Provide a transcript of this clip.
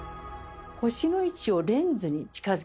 星の位置をレンズに近づけます。